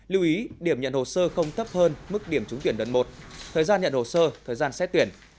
lưu ý điểm nhận hồ sơ không thấp hơn mức điểm trúng tuyển đợt một thời gian nhận hồ sơ thời gian xét tuyển